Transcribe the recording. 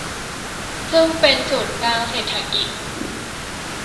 ซึ่งเป็นศูนย์กลางเศรษฐกิจ